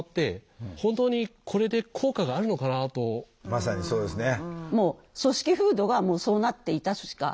まさにそうですね。